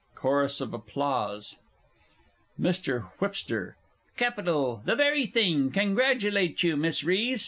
[Chorus of applause. MR. WH. Capital! The very thing congratulate you, Miss Rhys!